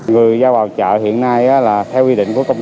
người giao vào chợ hiện nay là tài xế và tiểu thương